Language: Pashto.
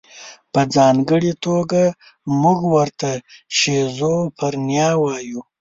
په ځانګړې توګه موږ ورته شیزوفرنیا وایو.